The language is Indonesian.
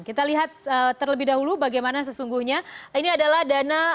kita lihat terlebih dahulu bagaimana sesungguhnya ini adalah dana